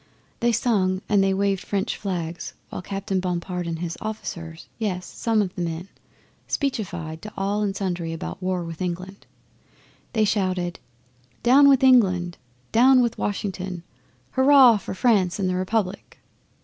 They sung and they waved French flags, while Captain Bompard and his officers yes, and some of the men speechified to all and sundry about war with England. They shouted, "Down with England!" "Down with Washington!" "Hurrah for France and the Republic!"